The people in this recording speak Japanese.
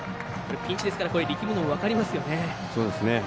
ピンチですから力むのも分かりますね。